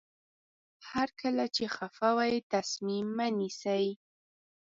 هر کله چې خفه وئ تصمیم مه نیسئ.